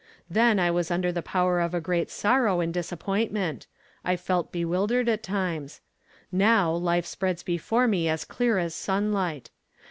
" Then I was under the power of a great sorrow and disappointment ; I felt bewildered at times. Now life spreads before me as clear as sunlight.